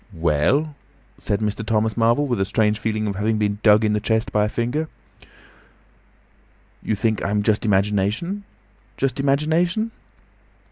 "Well?" said Mr. Thomas Marvel, with a strange feeling of having been dug in the chest by a finger. "You think I'm just imagination? Just imagination?"